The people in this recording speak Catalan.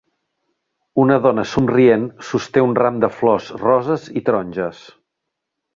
Una dona somrient sosté un ram de flors roses i taronges.